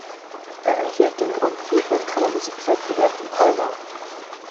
Er erhielt den Grand Prix beim Kammermusikwettbewerb in Colmar.